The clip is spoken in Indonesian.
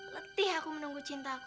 letih aku menunggu cintaku